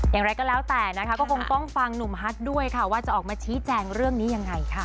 อย่างไรก็แล้วแต่นะคะก็คงต้องฟังหนุ่มฮัทด้วยค่ะว่าจะออกมาชี้แจงเรื่องนี้ยังไงค่ะ